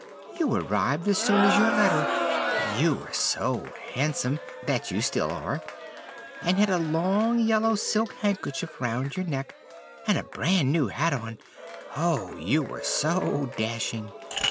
You arrived as soon as your letter, and you were so handsome that you still are and had a long yellow silk handkerchief round your neck, and a bran new hat on; oh, you were so dashing!